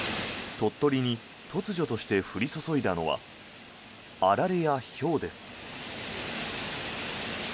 鳥取に突如として降り注いだのはあられやひょうです。